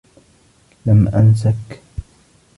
لم أنسك.